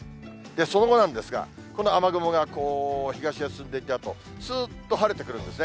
その後なんですが、この雨雲がこう、東へ進んでいったあと、すーっと晴れてくるんですね。